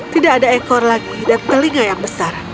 tidak ada ekor lagi dan telinga yang besar